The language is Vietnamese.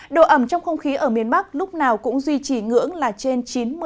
độ ẩm trong không khí ở miền bắc lúc nào cũng duy trì ngưỡng là trên chín mươi